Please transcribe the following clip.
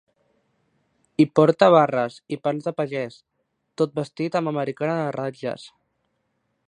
Hi porta barres i pans de pagès, tot vestit amb americana de ratlles.